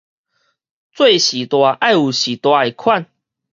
做序大愛有序大的款